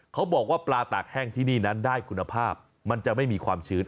เขาบอกว่าปลาตากแห้งที่นี่นั้นได้คุณภาพมันจะไม่มีความชื้น